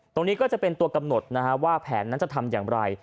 ตรงนี้ก็จะเป็นตัวกำหนดนะฮะว่าแผนนั้นจะทำอย่างไร